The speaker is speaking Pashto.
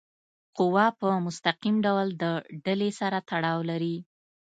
قوه په مستقیم ډول د ډلي سره تړاو لري.